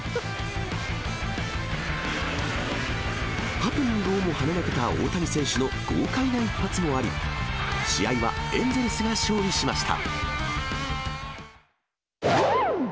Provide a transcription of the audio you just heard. ハプニングをもはねのけた大谷選手の豪快な一発もあり、試合はエンゼルスが勝利しました。